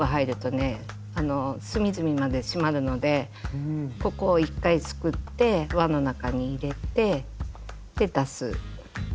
隅々まで締まるのでここを１回すくって輪の中に入れてで出す。